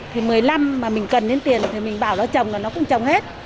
thì một mươi năm mà mình cần đến tiền thì mình bảo nó trồng là nó cũng trồng hết